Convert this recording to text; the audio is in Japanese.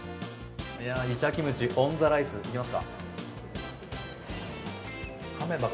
いちゃキムチー・オン・ザ・ライスいきますか。